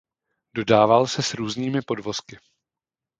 Dodával se s různými podvozky.